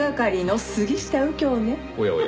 おやおや。